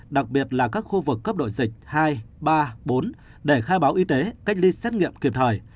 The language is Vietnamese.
đặc biệt là các khu vực cấp độ dịch hai ba bốn để khai báo y tế cách ly xét nghiệm kịp thời